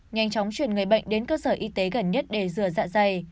nhanh chóng chuyển người bệnh đến cơ sở y tế gần nhất để rửa dạ dày